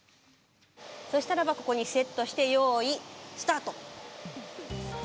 そしたらばここにセットして用意スタート！